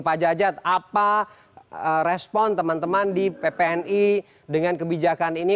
pak jajat apa respon teman teman di ppni dengan kebijakan ini